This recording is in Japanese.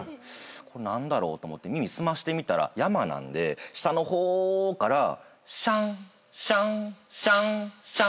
何だろうと思って耳澄ましてみたら山なんで下の方からシャンシャンシャンシャン。